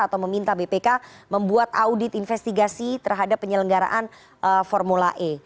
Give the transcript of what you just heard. atau meminta bpk membuat audit investigasi terhadap penyelenggaraan formula e